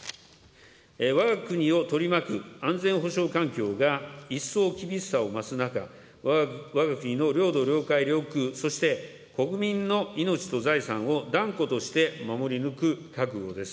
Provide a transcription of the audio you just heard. わが国を取り巻く安全保障環境が一層厳しさを増す中、わが国の領土、領海、領空、そして国民の命と財産を断固として守り抜く覚悟です。